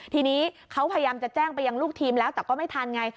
ทีนี้เขาพยายามจะแจ้งไปยังลูกทีมแล้วแต่ก็ไม่ทันไง